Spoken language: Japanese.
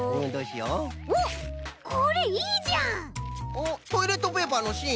おっトイレットペーパーのしん？